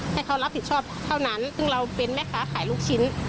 ให้เขารับผิดชอบเท่านั้นซึ่งเราเป็นแม่ค้าขายลูกชิ้น